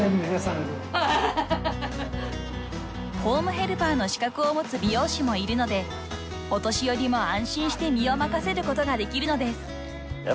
［ホームヘルパーの資格を持つ美容師もいるのでお年寄りも安心して身を任せることができるのです］